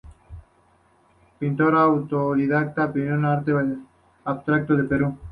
Pintora autodidacta pionera del arte abstracto del Perú.